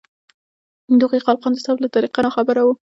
د هغو خالقان د ثبت له طریقو ناخبره وو.